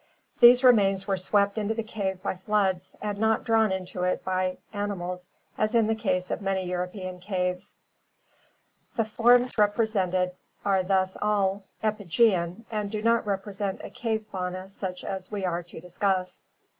These remains were swept into the cave by floods and not drawn into it by animals as in the case of many European caves (Osborn). The forms repre sented are thus all epigean and do not represent a cave fauna such as we are to discuss.